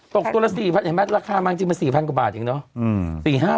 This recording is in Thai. ตกตัวละ๔พันราคาบ้างจริงมัน๔พันกว่าบาทเองเนอะ